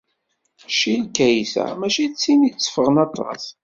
Ccil Kaysa mačči d tin itteffɣen aṭas.